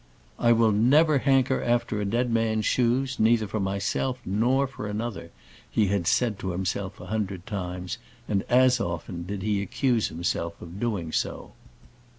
"I will never hanker after a dead man's shoes, neither for myself nor for another," he had said to himself a hundred times; and as often did he accuse himself of doing so.